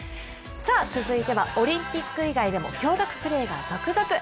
続いてはオリンピック以外でも驚愕プレーが続々。